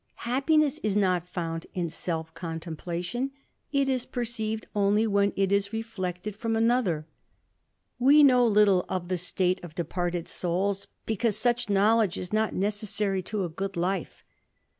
Happiness is not found in self ^cmtemplation ; it is perceived only when it is reflected from 3 i:iother. We know little of the state of departed souls, because svich knowledge is not necessary to a good life.